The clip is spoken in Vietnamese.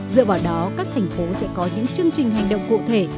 dựa vào đó các thành phố sẽ có những chương trình hành động cụ thể